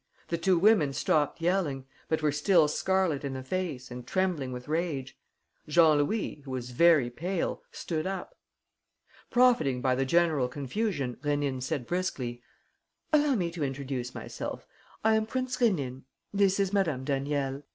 The two women stopped yelling, but were still scarlet in the face and trembling with rage. Jean Louis, who was very pale, stood up. Profiting by the general confusion, Rénine said briskly: "Allow me to introduce myself. I am Prince Rénine. This is Madame Daniel.